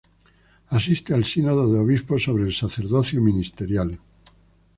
Asiste al Sínodo de Obispos sobre el Sacerdocio Ministerial.